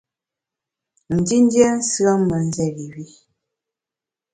Ndindiem nsùen me nzéri i.